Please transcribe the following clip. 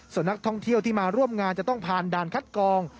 ส่วนนักท่องเที่ยวที่มาร่วมงานจะต้องผ่านด่านคัดกอง